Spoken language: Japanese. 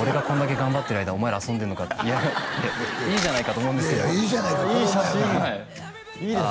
俺がこんだけ頑張ってる間お前ら遊んでんのかいいじゃないかと思うんですけどいいじゃないの子供やからいい写真いいですね